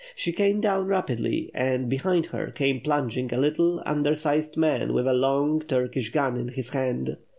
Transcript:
She came down rapidly and, behind her, came plunging a little undersized man with a long Turkish gun in his hand.